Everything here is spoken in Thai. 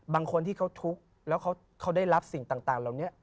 บางคนที่เขาทุกข์แล้วเขาได้รับสิ่งต่างเหล่านี้